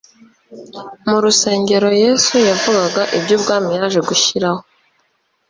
Mu rusengero, Yesu yavugaga iby'ubwami yaje gushyiraho,